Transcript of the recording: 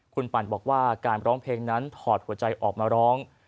คุณปั่นบอกว่าการร้องเพลงนั้นถอดหัวใจออกมาร้อง